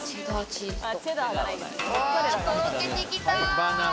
とろけてきた。